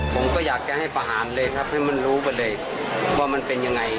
ผมก็อยากจะให้ประหารเลยครับให้มันรู้ไปเลยว่ามันเป็นยังไง